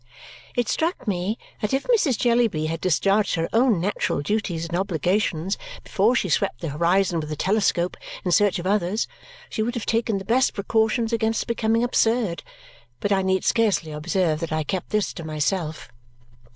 It struck me that if Mrs. Jellyby had discharged her own natural duties and obligations before she swept the horizon with a telescope in search of others, she would have taken the best precautions against becoming absurd, but I need scarcely observe that I kept this to myself.